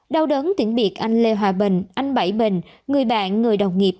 đau đớn tiếng biệt anh lê hòa bình anh bảy bình người bạn người đồng nghiệp